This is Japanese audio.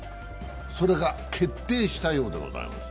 それが決定したようでございます。